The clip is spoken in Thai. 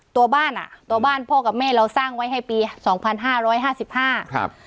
ตัวบ้านอ่ะตัวบ้านพ่อกับแม่เราสร้างไว้ให้ปีสองพันห้าร้อยห้าสิบห้าครับ